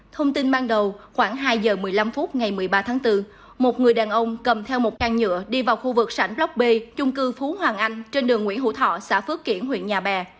thông tin ban đầu khoảng hai giờ một mươi năm phút ngày một mươi ba tháng bốn một người đàn ông cầm theo một can nhựa đi vào khu vực sảnh lóc b trung cư phú hoàng anh trên đường nguyễn hữu thọ xã phước kiển huyện nhà bè